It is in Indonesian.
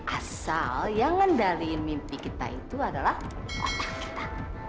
asal yang ngendaliin mimpi kita itu adalah otak kita